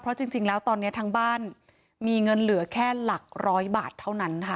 เพราะจริงแล้วตอนนี้ทั้งบ้านมีเงินเหลือแค่หลักร้อยบาทเท่านั้นค่ะ